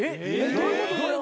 どういうこと？